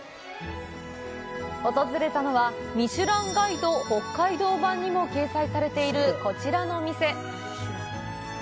訪れたのは、ミシュランガイド北海道版にも掲載されている、こちらのお店。